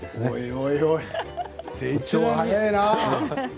おいおい、成長早いな。